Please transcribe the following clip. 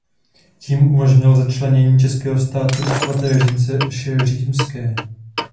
Tím umožnil začlenění českého státu do Svaté říše římské.